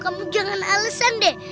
kamu jangan alesan deh